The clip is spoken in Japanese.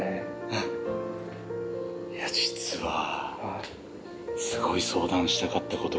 あっいや実はすごい相談したかったことがあって。